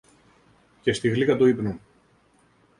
και στη γλύκα του ύπνου